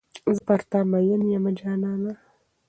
زه پر تا میین یمه جانانه.